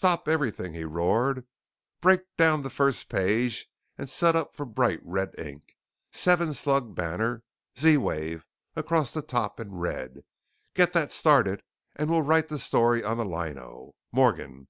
"Stop everything!" he roared. "Break down the first page and set up for bright red ink! Seven slug banner: Z WAVE! across the top in red. Get that started and we'll write the story on the lino. Morgan!